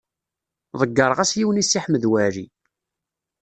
Ḍeyyreɣ-as yiwen i Si Ḥmed Waɛli.